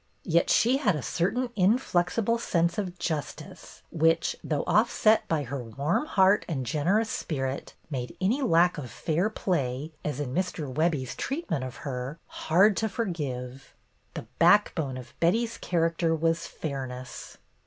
Yet she had a certain inflexible sense of justice which, though offset by her warm heart and generous spirit, made any lack of fair play, as in Mr. Webbie's treatment of her, hard to forgive. The backbone of Betty's character was fairness.